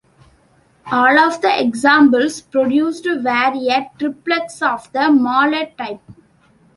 All of the examples produced were a Triplex of the Mallet type.